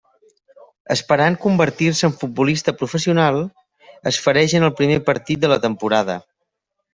Esperant convertir-se en futbolista professional, es fereix en el primer partit de la temporada.